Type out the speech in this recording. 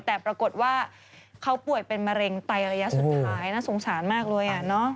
แต่ปรากฏว่าเขาป่วยเป็นมะเร็งไตระยะสุดท้ายน่าสงสารมากเลย